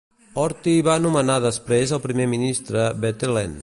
Horthy va nomenar després el primer ministre Bethlen.